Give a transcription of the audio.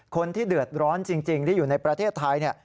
คนที่เดือดร้อนจริงที่อยู่ในประเทศไทยเนี่ย